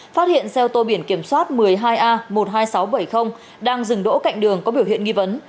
phát hiện xe ô tô biển kiểm soát một mươi hai a một mươi hai nghìn sáu trăm bảy mươi đang dừng đỗ cạnh đường có biểu hiện nghi vấn